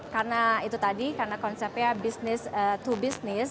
karena itu tadi karena konsepnya bisnis to bisnis